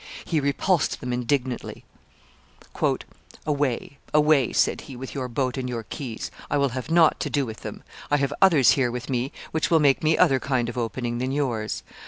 He repulsed them indignantly. "Away, away," said he, "with your boat and your keys; I will have nought to do with them; I have others here with me which will make me other kind of opening than yours.